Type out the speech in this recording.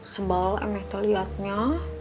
sebal emeto lihatnya